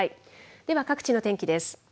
では各地の天気です。